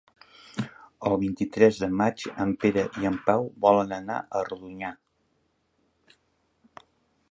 El vint-i-tres de maig en Pere i en Pau volen anar a Rodonyà.